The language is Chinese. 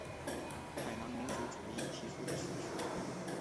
湖南民族主义提出的学说。